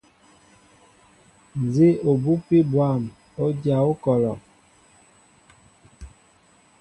Nzi obupi bwȃm, o dya okɔlɔ.